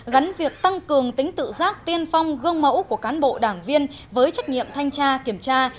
gắn việc tăng cường tính tự giác tiên phong gương mẫu của cán bộ đảng viên với trách nhiệm thanh tra kiểm tra